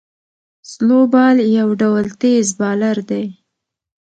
سلو بال یو ډول تېز بالر دئ.